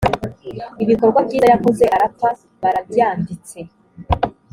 ibikorwa byiza yakoze arapfa barabyanditse